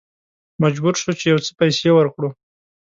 مجبور شوو چې یو څه پیسې ورکړو.